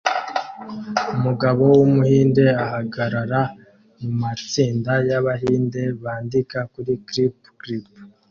Umugabo wumuhinde ahagarara mumatsinda yabahinde bandika kuri clip clip